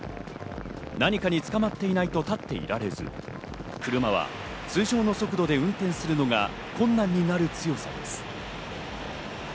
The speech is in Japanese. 何かにつかまっていないと立っていられず、車は通常の速度で運転するのが困難になる強さです。